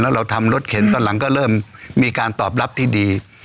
แล้วเราทำรถเข็นตอนหลังก็เริ่มมีการตอบรับที่ดี